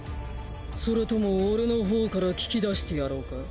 それとも俺のほうから聞き出してやろうか？